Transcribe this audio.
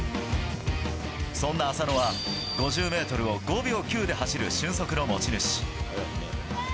そんな浅野は、５０メートルを５秒９で走る俊足の持ち主。